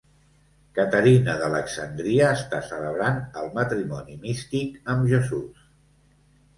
Caterina d'Alexandria està celebrant el matrimoni místic amb Jesús.